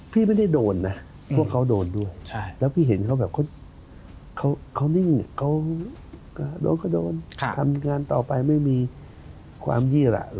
พี่ไม่ได้โดนนะเพราะเขาโดนด้วย